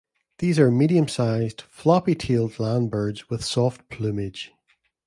These are medium-sized, floppy-tailed landbirds with soft plumage.